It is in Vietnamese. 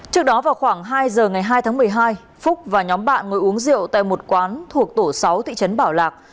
trước đó vào khoảng hai giờ ngày hai tháng một mươi hai phúc và nhóm bạn ngồi uống rượu tại một quán thuộc tổ sáu thị trấn bảo lạc